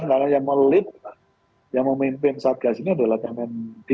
karena yang memimpin satgas ini adalah kemen negeri